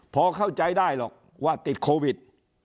พอเข้าใจได้หรอกว่าติดโควิด